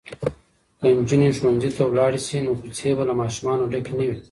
که نجونې ښوونځي ته لاړې شي نو کوڅې به له ماشومانو ډکې نه وي.